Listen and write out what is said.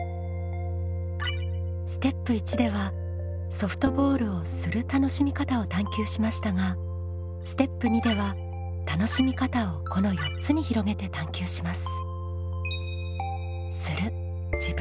ステップ１ではソフトボールをする楽しみ方を探究しましたがステップ２では楽しみ方をこの４つに広げて探究します。